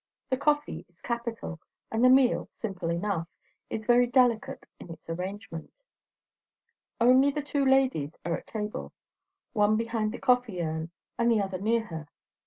The coffee is capital; and the meal, simple enough, is very delicate in its arrangement. Only the two ladies are at the table; one behind the coffee urn, and the other near her.